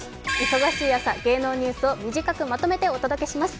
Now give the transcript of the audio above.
忙しい朝、芸能ニュースを短くまとめてお伝えします。